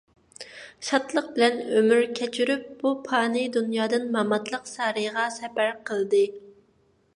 شادلىق بىلەن ئۆمۈر كەچۈرۈپ، بۇ پانىي دۇنيادىن ماماتلىق سارىيىغا سەپەر قىلدى.